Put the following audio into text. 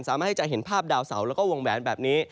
สามารถให้จะเห็นภาพดาวเสาแล้วก็วงแหวนแบบนี้